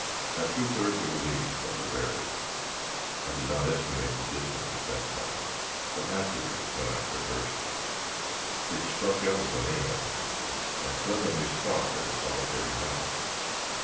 At two thirds of a league from the Barrier I did not estimate the distance at that time, but afterwards when I traversed it it struck out of the main avenue, and presently stopped at a solitary house.